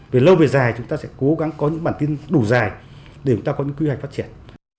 về lâu về dài chúng ta sẽ cố gắng có những bản tin đủ dài để chúng ta có những quy hoạch phát triển